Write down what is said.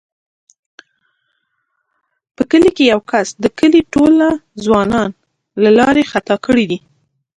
په کلي کې یوه کس د کلي ټوله ځوانان له لارې خطا کړي دي.